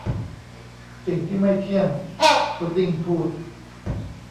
'สิ่งที่ไม่เที่ยง ! ' พุดดิ้งพูด